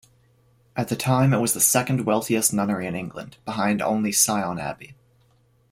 At the time it was the second-wealthiest nunnery in England, behind only Sion Abbey.